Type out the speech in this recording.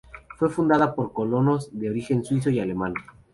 Fue fundada por colonos de origen suizo y alemán.